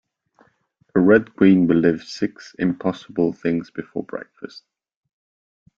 The Red Queen believed six impossible things before breakfast